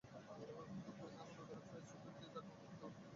এখন অধরা French Open জেতার অপেক্ষা, তাহলেই ক্যারিয়ার স্লামটাও হয়ে যাবে।